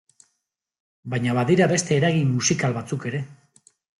Baina badira beste eragin musikal batzuk ere.